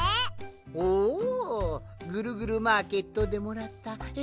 おおぐるぐるマーケットでもらったエプロンじゃな。